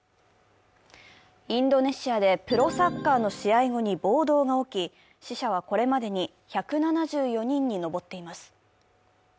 インドネシアでプロサッカーの試合後に暴動が起き、死者はこれまでに１７４人に上っています。